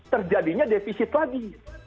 terjadinya defisit lagi